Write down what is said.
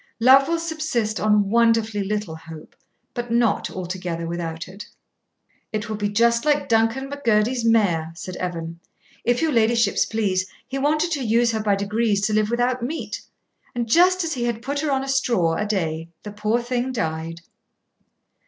Love will subsist on wonderfully little hope, but not altogether without it.' 'It will be just like Duncan Mac Girdie's mare,' said Evan, 'if your ladyships please, he wanted to use her by degrees to live without meat, and just as he had put her on a straw a day the poor thing died!'